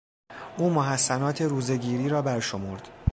او محسنات روزهگیری را برشمرد.